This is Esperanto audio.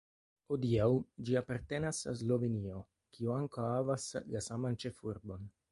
Hodiaŭ ĝi apartenas al Slovenio, kiu ankaŭ havas la saman ĉefurbon.